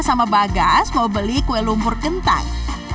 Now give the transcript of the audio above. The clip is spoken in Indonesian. sama bagas mau beli kue lumpur kentang